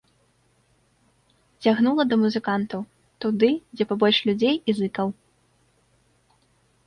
Цягнула да музыкантаў, туды, дзе пабольш людзей і зыкаў.